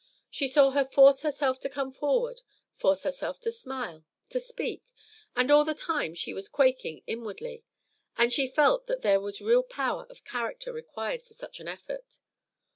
She saw her force herself to come forward, force herself to smile, to speak, when all the time she was quaking inwardly; and she felt that there was real power of character required for such an effort.